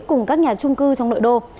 cùng các nhà trung cư trong nội đô